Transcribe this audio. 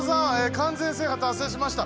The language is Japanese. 完全制覇達成しました。